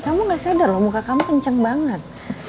kamu gak sadar loh muka kamu kencang banget